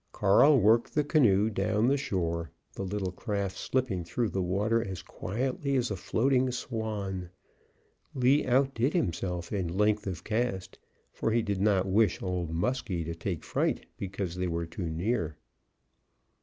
Carl worked the canoe down the shore, the little craft slipping through the water as quietly as a floating swan. Lee outdid himself in length of cast, for he did not wish Old Muskie to take fright because they were too near.